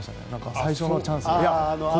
最初のチャンスで。